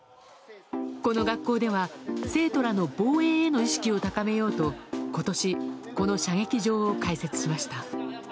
この学校では生徒らの防衛への意識を高めようと今年、この射撃場を開設しました。